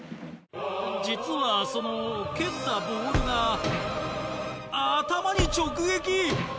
実はその蹴ったボールが頭に直撃！